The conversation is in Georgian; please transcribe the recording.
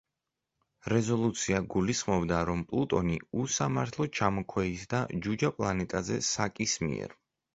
რეზოლუცია გულისხმობდა, რომ პლუტონი „უსამართლოდ ჩამოქვეითდა „ჯუჯა“ პლანეტაზე“ საკ-ის მიერ.